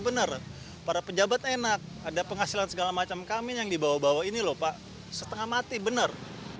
benar para pejabat enak ada penghasilan segala macam kami yang dibawa bawa ini lho pak setengah mati bener